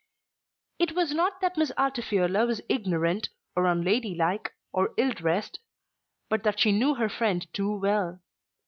It was not that Miss Altifiorla was ignorant, or unladylike, or ill dressed; but that she knew her friend too well.